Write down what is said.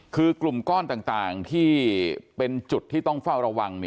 คือกลุ่มก้อนต่างที่เป็นจุดที่ต้องเฝ้าระวัง